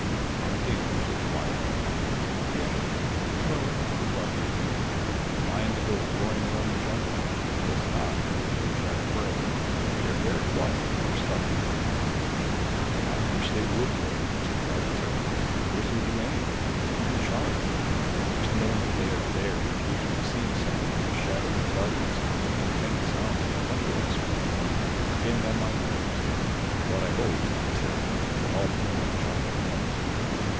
"Aren't they unusually quiet for lions?" he asked. "No," replied the ape man; "the lion that goes roaring around the jungle does not do it to attract prey. They are very quiet when they are stalking their quarry." "I wish they would roar," said the officer. "I wish they would do anything, even charge. Just knowing that they are there and occasionally seeing something like a shadow in the darkness and the faint sounds that come to us from them are getting on my nerves. But I hope," he said, "that all three don't charge at once."